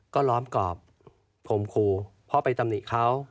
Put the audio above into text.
ก็ล้อมกรอบผมคูพ่อไปตำหนิเขา